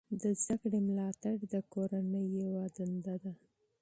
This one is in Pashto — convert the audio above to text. د زده کړې ملاتړ د کورنۍ یوه دنده ده.